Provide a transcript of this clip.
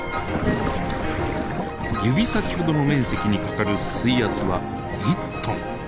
指先ほどの面積にかかる水圧は１トン。